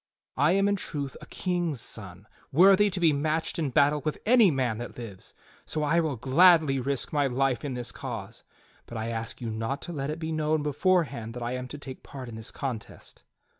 I am in truth a king's son, worthy to be matched in battle with any man that lives; so I will gladly risk my life in this cause. But I ask jmu not to let it be known beforehand that I am to take part in this contest."